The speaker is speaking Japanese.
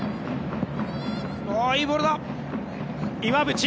いいボールだ。